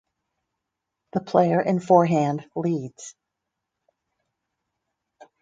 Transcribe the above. The player in forehand leads.